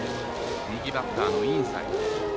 右バッターのインサイド。